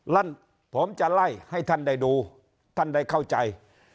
นั่นผมจะไล่ให้ท่านได้ดูท่านได้เข้าใจ